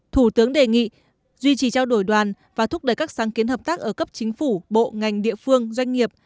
thủ tướng đề nghị duy trì trao đổi đoàn và thúc đẩy các sáng kiến hợp tác ở cấp chính phủ bộ ngành địa phương doanh nghiệp